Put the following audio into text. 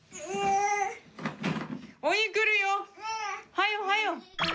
はよはよ！